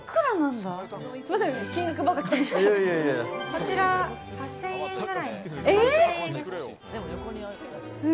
こちらは８０００円くらいです。